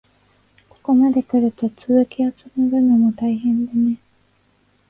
ここまでくると、続きをつむぐのも大変でね。